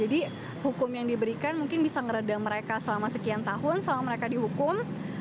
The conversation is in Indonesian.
jadi hukum yang diberikan mungkin bisa meredam mereka selama sekian tahun selama mereka dihukum